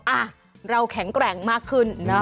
อ่ะเราแข็งแกร่งมากขึ้นเนอะ